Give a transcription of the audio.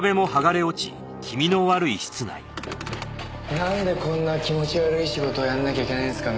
なんでこんな気持ち悪い仕事やんなきゃいけないんすかね？